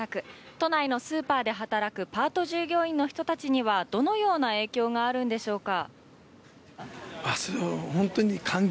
都内のスーパーで働くパート従業員の人たちにはどのような影響があるのでしょうか。